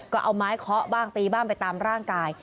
ก็เอาไม้เคาะบ้างตีบ้างไปตามร่างกาย